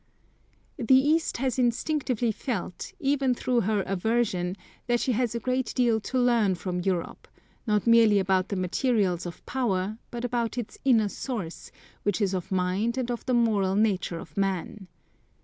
The East has instinctively felt, even through her aversion, that she has a great deal to learn from Europe, not merely about the materials of power, but about its inner source, which is of mind and of the moral nature of man.